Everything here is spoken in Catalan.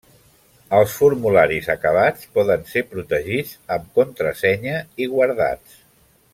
Els formularis acabats poden ser protegits amb contrasenya i guardats.